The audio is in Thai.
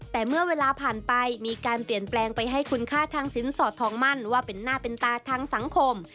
แต่เมื่อเวลาผ่านไปมีการเปลี่ยนแปลงไปให้คุณค่าทางสินสอดทองมั่นว่าเป็นหน้าเป็นตาทางสังคม